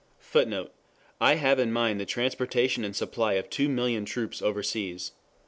[Footnote: I have in mind the transportation and supply of two million troops overseas.